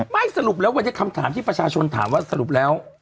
สรุปแล้ววันนี้คำถามที่ประชาชนถามว่าสรุปแล้ว